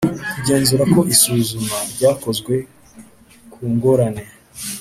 kugenzura ko isuzuma ryakozwe ku ngorane